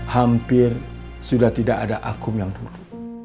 hampir sudah tidak ada akum yang buruk